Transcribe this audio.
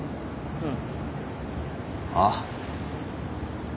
うん。